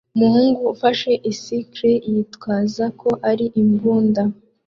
Umuhungu ufashe icicle yitwaza ko ari imbunda